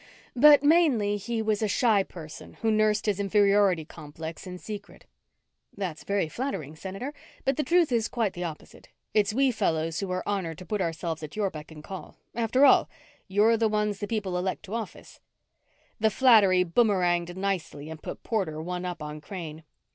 But mainly he was a shy person who nursed his inferiority complex in secret. "That's very flattering, Senator. But the truth is quite the opposite. It's we fellows who are honored to put ourselves at your beck and call. After all, you're the ones the people elect to office." The flattery boomeranged nicely and put Porter one up on Crane.